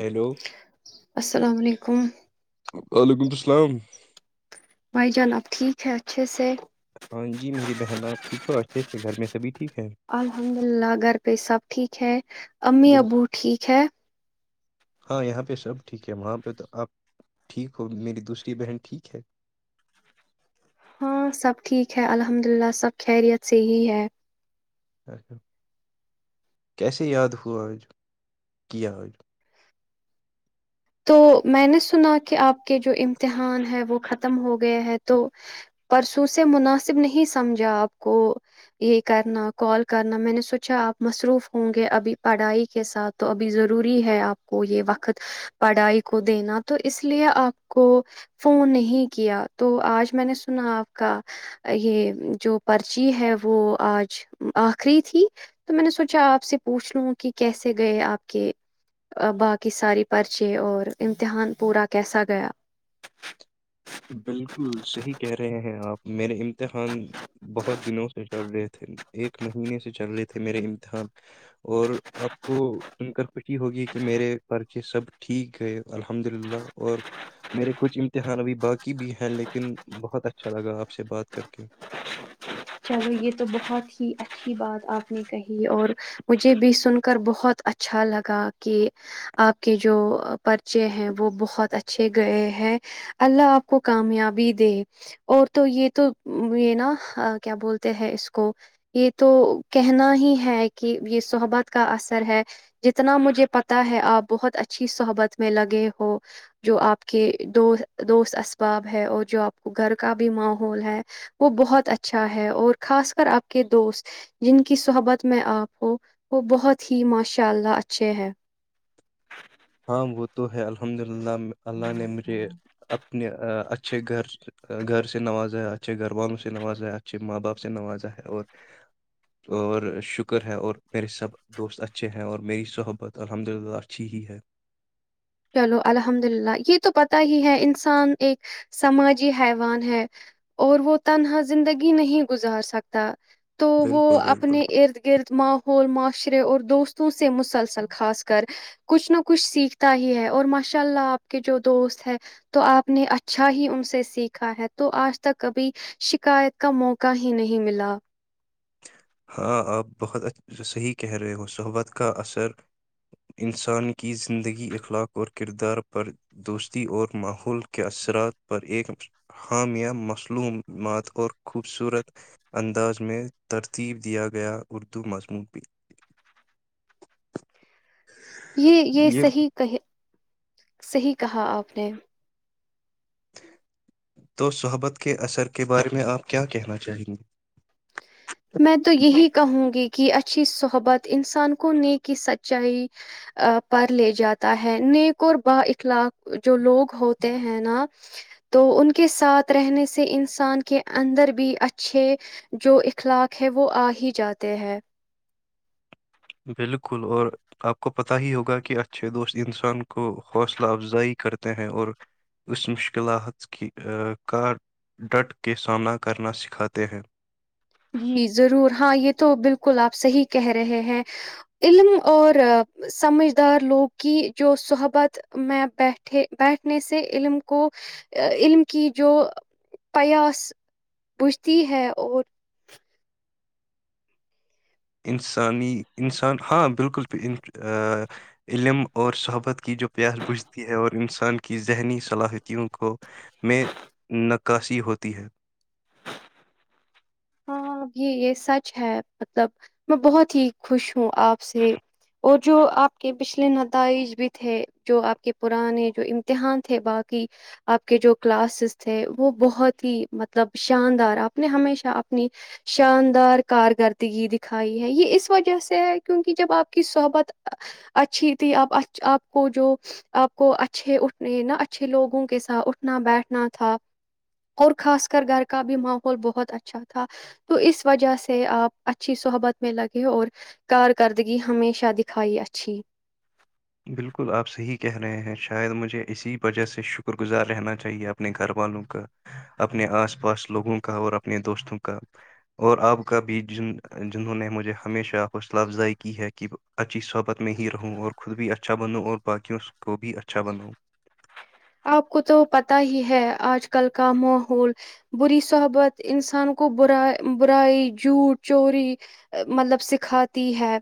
hello السلام علیکم ہم وعلیکم السلام بھائی جان اب ٹھیک ہے اچھے سے ہاں جی میری بہن آپ ٹھیک ہو آرز کے گھر میں سبھی ٹھیک ہے الحمد للہ گھر پے سب ٹھیک ہے امی بال ابو ٹھیک ہے ہاں یہاں پہ سب ٹھیک ہے وہاں پہ تو آپ ٹھیک ہو میری دوسری بہن ٹھیک ہے ہاں سب ٹھیک ہے الحمد للہ سب خیریت سے ہی ہے اچھا کیسے یاد ہوا آج کیا آج تو میں نے سنا کہ آپ کے جو امتحان ہے وہ ختم ہو گئے ہے تو پرسوں سے مناسب نہیں سمجھا آپ کو یہ کرنا کال کرنا میں نے سوچا آپ مصروف ہوں گے ابھی پڑھائی کے ساتھ تو ابھی ضروری ہے آپ کو یہ وقت پڑھائی کو دینا تو اس لیے آپ کو فون نہیں کیا تو آج میں نے سنا آپ کا یہ جو پرچی ہے وہ آج آخری تھی تو میں نے سوچا آپ سے پوچھ لوں کہ کیسے گئے آپ کے باقی ساری پرچی چے اور امتحان پورا کیسا گیا بلکل صحیح کہہ رہے ہیں آپ میرے امتحان بہت دنوں سے چل رہے تھے ایک مہینے سے چل رہے تھے میرے امتحان اور آپ کو سن کر خوشی ہوگی کہ میرے پرچے سب ٹھیک گئے الحمد للہ اور میرے کچھ امتحان ابھی باقی ی بھی ہے لیکن بہت اچھا لگا آپ سے بات کر کے چلو یہ تو بہت ہی اچھی بات آپ نے کہی اور مجھے بھی سن کر بہت اچھا لگا کہ آپ کے جو پرچے ہیں وہ بہت اچھے گئے ہیں اللہ آپ کو کامیابی دے اور تو یہ تو یہ نہ کیا بولتے ہیں اس کو یہ تو کہنا ہی ہے کہ یہ صحبت کا اثر ہے جتنا مجھے پتا ہے آپ بہت اچھی صحبت میں لگے ہو جو آپ کے دو دوست اسباب ہے اور جو آپ کو گھر کا بھی ماحول ہے وہ بہت اچھا اچھا ہے اور خاص کر آپ کے دوست جن کی صحبت میں آپ ہو وہ بہت ہی ماشاء اللہ اچھے ہے ہاں وہ تو ہے الحمد للہ اللہ نے مجھے اپنے اچھے گھر گھر سے نوازا ہے اچھے گھر والوں سے نوازا ہے اچھے ماں باپ سے نوازا ہے اور اور شکر ہے اور میرے سب دوست اچھے ہیں اور میری صحبت الحمد للہ اچھی ہی ہے چلو الحمد للہ یہ تو پتا ہی ہے انسان ایک سماجی حیوان ہے اور وہ تنہا زندگی نہیں گزار سکتا تو وہ بالکل بالکل اپنے ارد گرد ما ہو معاشرے اور دوستوں سے مسلسل خاص کر کچھ نہ کچھ سیکھتا ہی ہے اور ماشاء اللہ آپ کے جو دوست ہے تو آپ نے اچھا ہی ان سے سیکھا ہے تو آج تک کبھی شکایت کا موقع ہی نہیں ملا ہاں آپ بہت صحیح کہہ رہے ہو صحبت کا اثر انسان کی زندگی اخلاق اور کردار پر دوستی اور ماحول کے اثرات پر ایک حامیہ مصلومات اور خوبصورت انداز میں تر ترتیب دیا گیا اردو مضمون بھی یہ یہ صحیح کہے صحیح کہا آپ نے تو صحبت کے اثر کے بارے میں آپ کیا کہنا چاہیں گے میں تو یہی کہوں گی کی اچھی صحبت انسان کو نیکی سچائی پر لے جاتا ہے نیک اور با اخلاق جو لوگ ہوتے ہیں نہ تو ان کے ساتھ رہنے سے انسان کے اندر بھی اچھے جو اخلاق ہے وہ آ ہی جاتے ہیں بالکل اور آپ کو پتہ ہی ہوگا کہ اچھے دوست انسان کو حوصلہ افزائی کرتے ہیں اور اس مشکلات کا ڈٹ کے سامنا کرنا سکھاتے ہیں جی ضرور ہاں یہ تو بالکل آپ صحیح کہہ رہے ہیں علم اور سمجھدار لوگ کی جو صحبت میں بیٹھے بیٹھنے سے علم کو علم کی جو پیاس بجھتی ہے اور انسانی انسان ہاں بالکل پ علم اور صحبت کی جو پیاس بجھتی ہے اور انسان کی ذہنی صلاحیتوں کو میں نکاسی ہوتی ہے ہاں یہ یہ سچ ہے مطلب میں بہت ہی خوش ہوں آپ سے اور جو آپ کے پھلے نتائج بھی تھے جو آپ کے پرانے جو امتحان تھے باقی آپ کے جو کلاسز تھے وہ بہت ہی مطلب شاندار آپ نے ہمیشہپ اپنی شاندار کارکردگی دکھائی ہے یہ اس وجہ سے ہے کیونکہ جب آپ کی صحبت اچھی تھی آپ آپ کو جو آپ کو اچھے اٹھنے نہ اچھے لوگوں کے ساتھ اٹھنا بیٹھنا تھا اور خا کر گھر کا بھی ماحول بہت اچھا تھا تھا تو اس وجہ سے آپ اچھی صحبت میں لگے اور کارکردگی ہمیشہ دکھائی اچھی بالکل آپ صحیح کہہ رہے ہیں شاید مجھے اسی وجہ سے شکر گزار رہنا چاہیے اپنے گھر والوں کا اپنے آس پاس لوگوں کا اور اپنے دوستوں کا اور آپ کا بھی جن جنہوں نے مجھے ہمیشہ حوصلہ افزائی کی ہے کہ اچھی صحبت میں ہی رہوں اور خود بھی اچھا بنوں اور باقیوں کو بھی اچھا بناؤ آپ کو تو پت ہی ہے آج کل کا ماحول بری صحبت انسان کو بر برائی جھوٹ چوری مطلب سکھاتی ہے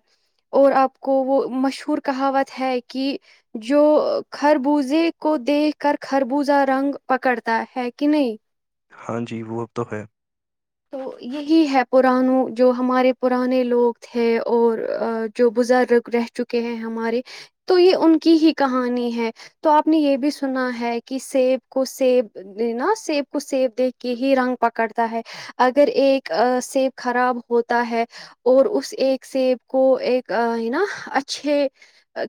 اور آپ کو وہ مشہور کہاوت ہے کہ جو خر بوزے کو دیکھ کر خربوزہ رنگ پکڑتا ہے کہ نہیں ہاں جی وہ اب تو ہے تو یہی ہے پرانو جو ہمارے پرانے لوگ تھے اور جو بزرگ رہ چکے ہیں ہمارے تو یہ ان کی ہی کہانی ہے تو آپ نے یہ بھی سنا ہے کہ سیب کو سیب نا سیب کو سیب دیکھ کے ہی رنگ پکڑتا ہے اگر ایک سیب خراب ہوتا ہے اور اس ایک سیب کو ایک ہے نا اچھے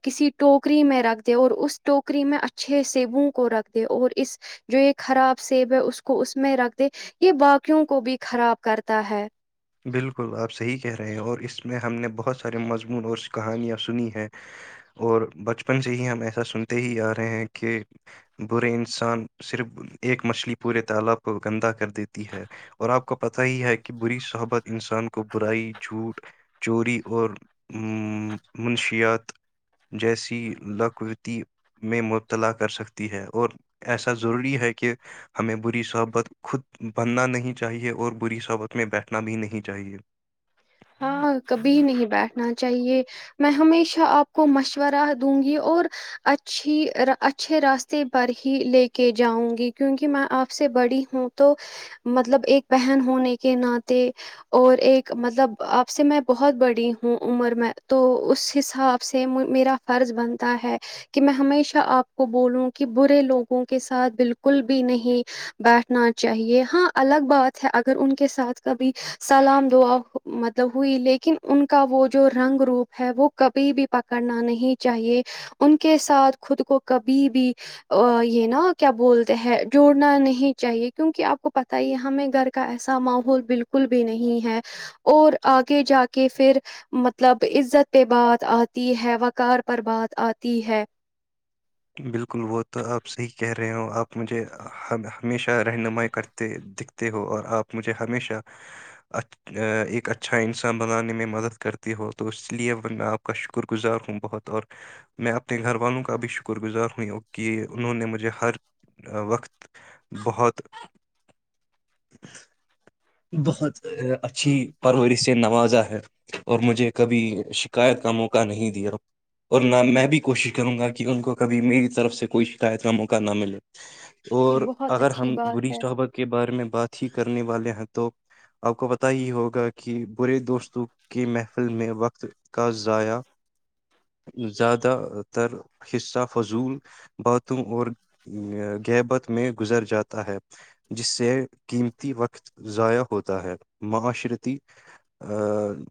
کسی ٹوکری میں رکھ دے اور اس ٹوکری میں اچھے سیبوں کو رکھ دے اور اس جو یہ خراب سیب ہے اس کو اس میں رکھ دے یہ باقیوں کو بھی خراب کرتا ہے بالکل آپ صحیح کہہ رہے ہیں اور اس میں ہم نے بہت سارے مضمون اور کہانیاں سنی ہیں اور بچپن سے ہی ہم ایسا سنتے ہی آ رہے ہیں کہ برے انسان صرف ایک مچھلی پورے تالاب کو گندہ کر دیتی ہے اور آپ کو پتہ ہی ہے کہ بری صحب انسان کو برائی جھوٹ چوری اور منشیات جیسی لقوتی میں مبتلا کر سکتی ہے اور ایسا ضروری ہے کہ ہمیں بری صحبت خود بننا نہیں چاہیے اور بری صحبت میں بیٹھ نا بھی نہیں چاہیے ہاں کبھی نہیں بیٹھنا چاہیے میں ہمیشہ آپ کو مشورہ دوں گی اور اچھی اچھے راستے پر ہی لے کے جاؤں گی کیونکہ میں آپ سے بڑی ہوں تو مطلب ایک بہن ہونے کے ناطے اور ایک مطلب آپ سے میں بہت بڑی ہوں عمر میں تو اس حساب سے میرا فرض بنتا ہے کہ میں ہمیشہ آپ کو بولوں کہ برے لوگوں کے ساتھ بالکل بھی نہیں بیٹھنا چاہیے ہاں الگ بات ہے اگر ان کے ساتھ کبھی سلام دعا مطلب ہوئی لیکن ان کا وہ جو رنگ روپ ہے وہ کبھی بھی پکڑنا نہیں چاہیے ان کے ساتھ خود کو کبھی بھی یہ نا کیا بولتے ہیں جوڑنا نہیں چاہیے کیونکہ آپ کو پت ہی ہمیں گھر کا ایسا ماحول بالکل بھی نہیں ہے اور آگے جا کے پھر مطلب عزت پہ بات آتی ہے وقار پر بات آتی ہے بالکل وہ تو آپ صحیح کہہ رہے ہو آپ مجھے ہمیشہ رہنمائی کرتے دکھتے ہو اور آپ مجھے ہمیشہ ایک اچھا انسان بنانے میں مدد کرتے ہو تو اس لیے میں آپ کا شکر گزار ہوں بہت اور میں اپنے گھر والوں کا بھی شکر شکر گزار ہوئیں کہ انہوں نے مجھے ہر وقت بہت بہت اچھی پرور سے نوازا ہے اور مجھے کبھی شکایت کا موقع نہیں دیا اور نہ میں بھی کوشش کروں گا کہ ان کو کبھی میری طرف سے کوئی شکایت کا موقع نہ ملے یہ اور بہت اگر اچھی ہم بات بری ہے صحبہ کے بارے میں بات ھی کرنے والے ہیں تو آپ کو پت ہی ہوگا کہ برے دوستوں کی محفل میں وقت کا ضائع زیادہ تر حصہ فضول باتوں اور گہبت میں گزر جاتا ہے جس سے قیمتی وقت ضائع ہوتا ہے معاشرتی ا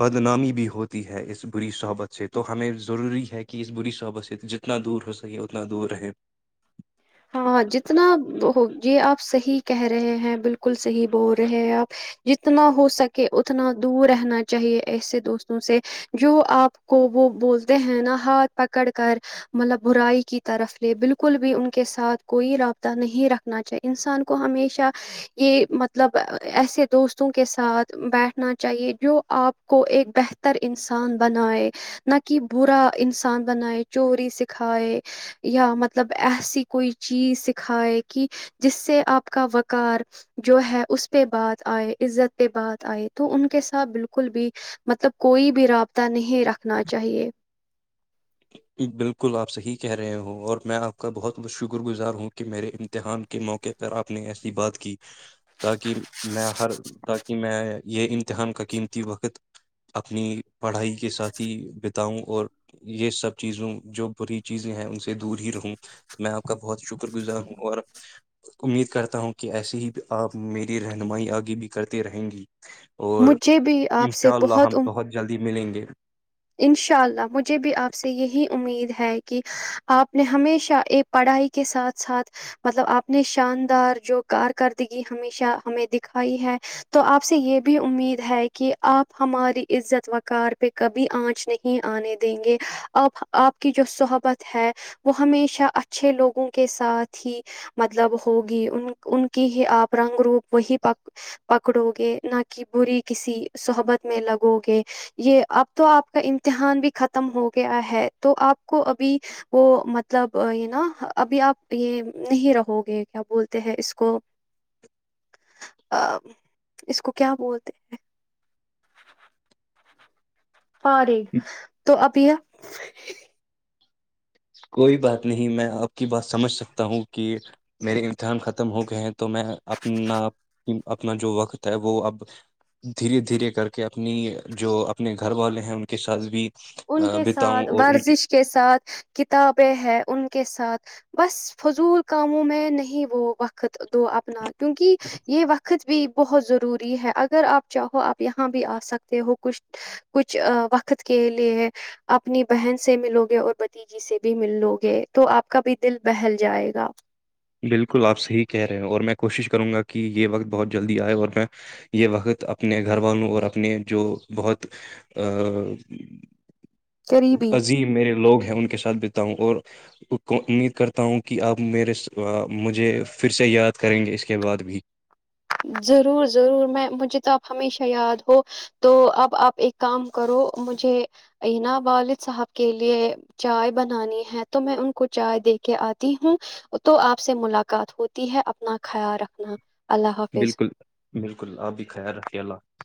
بدنامی بھی ہوتی ہے اس بری صحبت سے تو ہمیں ضروری ہے کہ اس بری صحبت سے جتنا دور ہو سکے اتنا دور رہے ہاں جتنا وہ یہ آپ صحیح کہہ رہے ہیں بالکل صحیح بول رہے ہیں آپ جتنا ہو سکے اتنا دور رہنا چاہیے ایسے دوستوں سے جو آپ کو وہ بولتے ہیں نا ہاتھ پکڑ کر مطلب برائی کی طرف لے بالکل بھی ان کے ساتھ کوئی رابطہ نہیں رکھنا چاہیے انسان کو ہمیشہ یہ مطلب ایسے دوستوں کے ساتھ بیٹھنا چاہیے جو آپ کو ایک بہتر انسان بنائے نہ کہ برا انسان بنائے چوری سکھائے یا مطلب ایسی کوئی چیز سکھائے کہ جس سے آپ کا وقار جو ہے اس پہ بات آئے عزت پہ بات آئے تو ان کے ساتھ بالکل بھی مطلب کوئی بھی رابطہ نہیں رکھنا چاہیے بالکل آپ صحیح کہہ رہے ہو اور میں آپ کا بہت بت شکر گزار ہوں کہ میرے امتحان کے موقعے پر آپ نے ایسی بات کی تاکہ میں ہر تاکہ میں یہ امتحان کا قیمتی وقت اپنی پڑھائی کے ساتھ ہی بتاؤں اور یہ سب چیزوں جو بری چیزیں ہیں ان سے دور ہی رہوں تو میں آپ کا بہت شکر گزار ہوں اور امید کرتا ہوں کہ ایسے ہی آپ میری رہنمائی آگے بھی کرتے رہیں گی اور مجھے بھی ان آپ سے شاء اللہ ہم امید بہت جلدی ملیں گے انشاء اللہ مجھے بھی آپ سے یہی امید ہے کہ آپ نے ہمیشہ ایک پڑھائی کے ساتھ ساتھ مطلب آپ نے شاندار جو کارکردگی ہمیشہ ہمیں دکھائی ہے تو آپ سے یہ بھی امید ہے کہ آپ ہماری عزت وقار پہ کبھی بھی آنچ نہیں آنے دیں گے آ آپ کی جو صحبت ہے وہ ہمیشہ اچھے لوگوں کے ساتھ ہی مطلب ہوگی ان کی ہی آپ رنگ روپ وہی پکڑو گے نہ کہ بری کسی صحبت میں لگو گے یہ آپ تو آپ کا امتحان بھی ختم ہو گیا ہے تو آپ کو ابھی وہ مطلب یہ نا ابھی آپ یہ نہیں رہو گے کیا بولتے ہیں اس کو ا اس کو کیا بولتے ہیں ہار تو ابیا کوئی بات نہیں میں آب کی بات سمجھ سکتا ہوں کہ میرے امتحان ختم ہو گئے ہیں تو میں اپنا اپنا جو وقت ہے وہ اب دھیرے دھیرے کر کے اپنی جو اپنے گھر والے ہیں ان کے ساتھ بھی ان کے بتاؤں ساتھ اور ان ورزش کے ساتھ کتابیں ہے ان کے ساتھ بس فضول کاموں میں نہیں وہ وقت دو اپنا کیونکہ یہ وقت بھی بہت ضروری ہے اگر آپ چاہو آپ یہاں بھی آ سکتے ہو کچھ کچھ وقت کے لیے اپنی بہن سے ملو گے اور بتیجی سے بھی ملو گے تو آپ کا بھی دل بہل جائے گا بالکل آپ صحیح کہہ رہے ہیں اور میں کوشش کروں گا کہ یہ وقت بہت جلدی آئے اور میں یہ وقت اپنے گھر والوں اور اپنے جو بہت قریبی عظیم میرے لوگ [unintelligible] ان کے ساتھ بیتا ہوں اور کو امید کرتا ہوں کہ آپ میرے ساتھ [unintelligible] مجھے پھر سے یاد کریں گے اس کے بعد بھی ضرور ضرور میں مجھے تو آپ ہمیشہ یاد ہو تو اب آپ ایک کام کرو مجھے این والد صاحب کے لیے چائے بنانی ہے تو میں ان کو چائے دے کے آتی ہوں تو آپ سے ملاقات ہوتی ہے اپنا [unintelligible] خیال رکھنا اللہ حاف [unintelligible] بالکل بالکل آپ بھی خیال رکھے اللہ [unintelligible]